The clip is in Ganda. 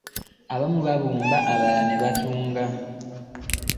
Abamu babumba abalala ne batunga.